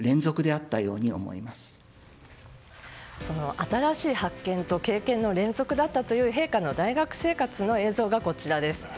新しい発見と経験の連続だったという陛下の大学生活の映像がこちらです。